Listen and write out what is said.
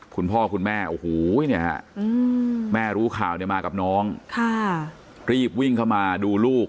คุณพ่อคุณแม่โอ้โหแม่รู้ข่าวมากับน้องรีบวิ่งเข้ามาดูลูก